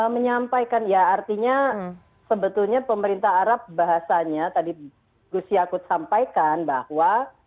menyampaikan ya artinya sebetulnya pemerintah arab bahasanya tadi gus yakut sampaikan bahwa